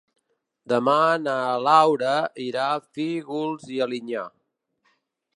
Demà na Laura irà a Fígols i Alinyà.